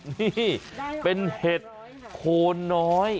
นี่เป็นเห็ดโคนน้อย